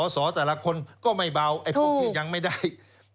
สอแต่ละคนก็ไม่เบาไอ้พวกที่ยังไม่ได้